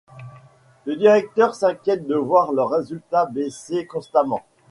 Le directeur s'inquiète de voir leurs résultats baisser constamment…